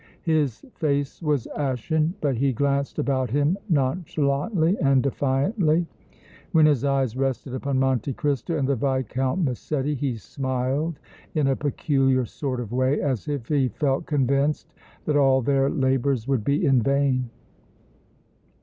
His face was ashen, but he glanced about him nonchalantly and defiantly. When his eyes rested upon Monte Cristo and the Viscount Massetti he smiled in a peculiar sort of way as if he felt convinced that all their labors would be in vain.